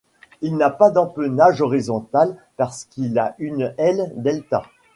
Il n'a pas d'empennage horizontal parce qu'il a une aile delta.